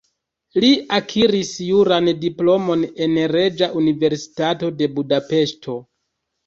Li akiris juran diplomon en Reĝa Universitato de Budapeŝto.